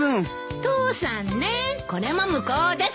父さんねこれも無効です！